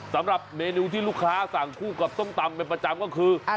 สำหรับเมนูที่ลูกค้าสั่งคู่กับส้มตำเป็นประจำก็คือ